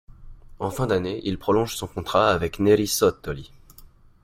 En fin d'année il prolonge son contrat avec Neri Sottoli.